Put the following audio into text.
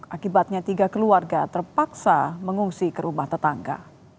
akibatnya tiga keluarga terpaksa mengungsi ke rumah tetangga